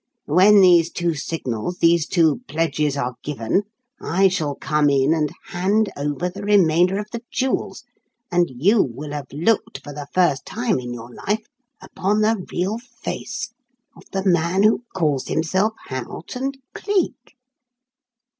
When these two signals, these two pledges, are given, I shall come in and hand over the remainder of the jewels, and you will have looked for the first time in your life upon the real face of 'The Man Who Calls Himself Hamilton Cleek.'"